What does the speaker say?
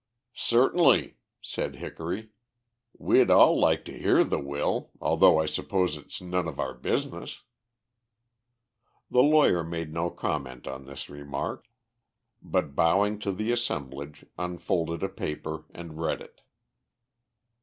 "Certainly," said Hickory. "We'd all like to hear the will, although I suppose it's none of our business." The lawyer made no comment on this remark, but bowing to the assemblage, unfolded a paper and read it.